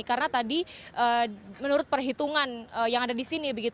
karena tadi menurut perhitungan yang ada di sini